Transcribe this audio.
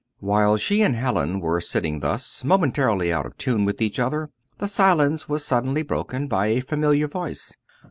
While she and Hallin were sitting thus, momentarily out of tune with each other, the silence was suddenly broken by a familiar voice.